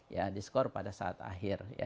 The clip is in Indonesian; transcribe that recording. ya diskor pada saat akhir